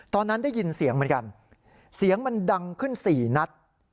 ตอนนั้นได้ยินเสียงเหมือนกันเสียงมันดังขึ้น๔นัด